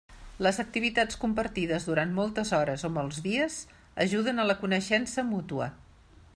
Les activitats compartides durant moltes hores o molts dies ajuden a la coneixença mútua.